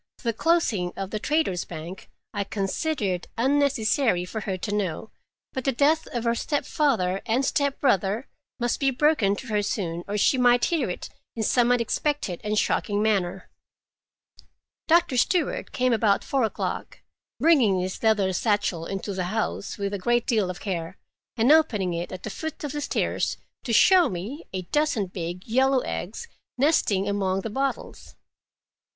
The closing of the Traders' Bank I considered unnecessary for her to know, but the death of her stepfather and stepbrother must be broken to her soon, or she might hear it in some unexpected and shocking manner. Doctor Stewart came about four o'clock, bringing his leather satchel into the house with a great deal of care, and opening it at the foot of the stairs to show me a dozen big yellow eggs nesting among the bottles.